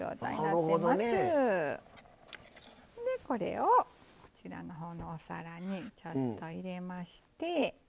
これをこちらの方のお皿にちょっと入れまして。